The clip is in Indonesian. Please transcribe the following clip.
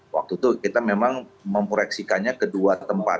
waktu itu kita memang memproyeksi kannya ke dua tempat